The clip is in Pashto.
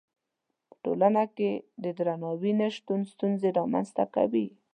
په ټولنه کې د درناوي نه شتون ستونزې رامنځته کوي.